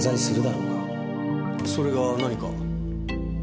それが何か？